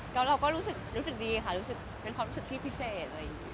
ก็เราก็รู้สึกดีค่ะเป็นความรู้สึกที่พิเศษ